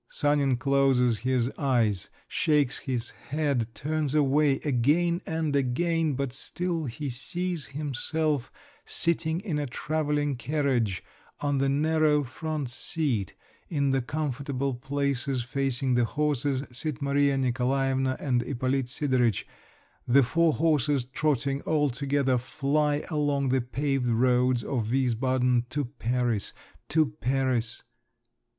_" Sanin closes his eyes, shakes his head, turns away again and again, but still he sees himself sitting in a travelling carriage on the narrow front seat … In the comfortable places facing the horses sit Maria Nikolaevna and Ippolit Sidoritch, the four horses trotting all together fly along the paved roads of Wiesbaden to Paris! to Paris!